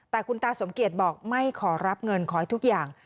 แต่คุณตาสมเกียจบอกไม่ขอรับเงินขอให้ทุกอย่าง